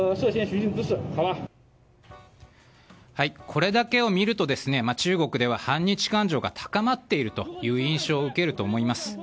これだけを見ると中国では反日感情が高まっているという印象を受けると思います。